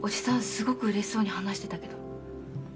すごく嬉しそうに話してたけど？